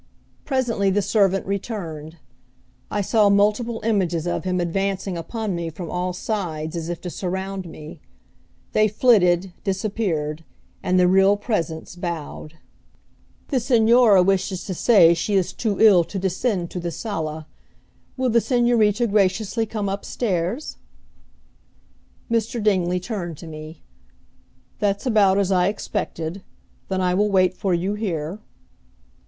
Presently the servant returned. I saw multiple images of him advancing upon me from all sides as if to surround me. They flitted, disappeared, and the real presence bowed. "The Señora wishes to say she is too ill to descend to the sala. Will the Señorita graciously come up stairs?" Mr. Dingley turned to me. "That's about as I expected. Then I will wait for you here."